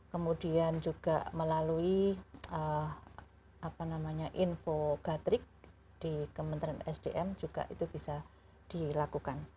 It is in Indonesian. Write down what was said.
kemudian juga melalui info gatrik di kementerian sdm juga itu bisa dilakukan